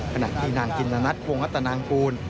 ขนาดที่นางจิณนัทวงรัฐนังกูล